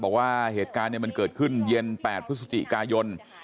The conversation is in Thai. บอกว่าเหตุการณ์มันเกิดขึ้นเย็น๘พฤศจิกายน